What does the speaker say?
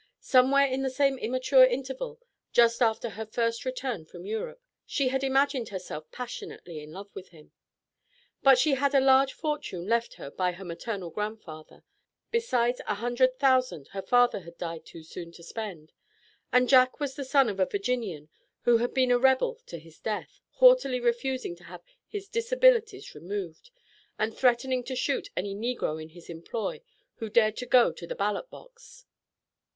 Somewhere in the same immature interval, just after her first return from Europe, she had imagined herself passionately in love with him. But she had a large fortune left her by her maternal grandfather, besides a hundred thousand her father had died too soon to spend, and Jack was the son of a Virginian who had been a Rebel to his death, haughtily refusing to have his disabilities removed, and threatening to shoot any negro in his employ who dared to go to the ballot box.